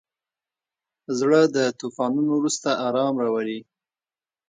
زړه د طوفانونو وروسته ارام راولي.